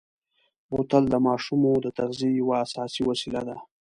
بوتل د ماشومو د تغذیې یوه اساسي وسیله ده.